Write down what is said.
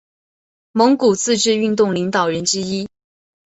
蒙古自治运动领导人之一。